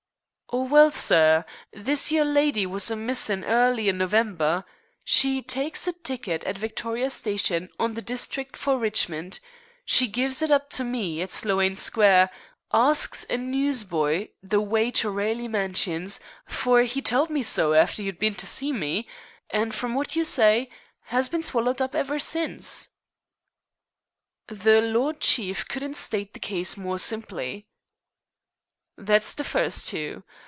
"Well, sir, this yer lydy was a missin' early in November. She tykes a ticket at Victoria Station on the District for Richmond; she gives it up to me at Sloane Square, arsks a newsboy the w'y to Raleigh Mansions, for 'e tell'd me so after you'd bin to see me, an' from what you s'y, 'as bin swallered up ever since." "The Lord Chief couldn't state the case more simply." "That's the first two.